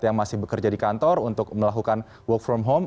yang masih bekerja di kantor untuk melakukan work from home